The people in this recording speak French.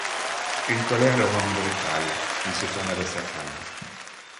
Une colère le rendit brutal, il se tourna vers sa femme.